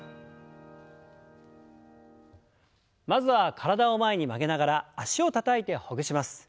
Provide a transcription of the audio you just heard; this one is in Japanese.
まずは体を前に曲げながら脚をたたいてほぐします。